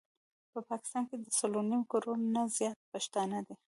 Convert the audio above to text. په پاکستان کي د څلور نيم کروړ نه زيات پښتانه دي